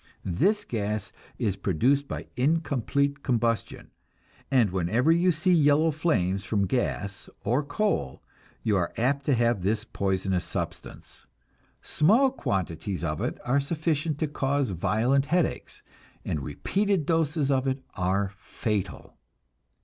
This gas is produced by incomplete combustion, and whenever you see yellow flames from gas or coal, you are apt to have this poisonous substance. Small quantities of it are sufficient to cause violent headaches, and repeated doses of it are fatal.